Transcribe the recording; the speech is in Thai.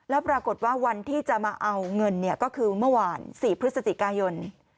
แล้วปรากฏว่าวันที่จะมาเอาเงินก็คือเมื่อวาน๔พฤศจิกายน